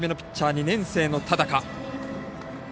２年生の田高。